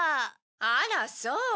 あらそう。